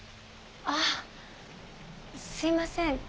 ああすいません。